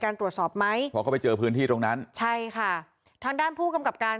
ตรวจสอบไหมพอเขาไปเจอพื้นที่ตรงนั้นใช่ค่ะทางด้านผู้กำกับการ